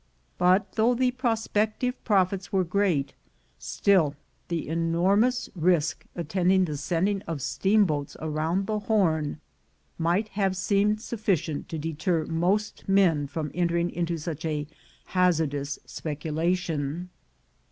But though the prospective prof its were great, still the enormous risk attending the sending of steamboats round the Horn might have seemed sufficient to deter most men from entering into such a hazardous speculation.